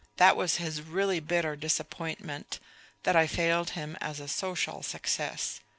That was his really bitter disappointment that I failed him as a social success.